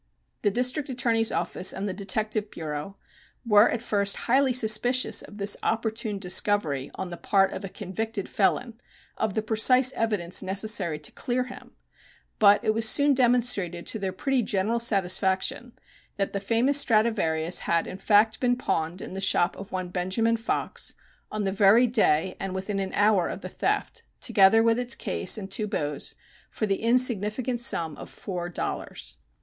The District Attorney's office and the Detective Bureau were at first highly suspicious of this opportune discovery on the part of a convicted felon of the precise evidence necessary to clear him, but it was soon demonstrated to their pretty general satisfaction that the famous Stradivarius had in fact been pawned in the shop of one Benjamin Fox on the very day and within an hour of the theft, together with its case and two bows, for the insignificant sum of four dollars.